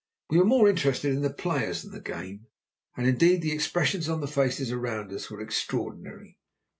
We were more interested in the players than the game. And, indeed, the expressions on the faces around us were extraordinary.